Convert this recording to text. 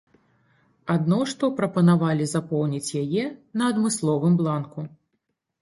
Адно што прапанавалі запоўніць яе на адмысловым бланку.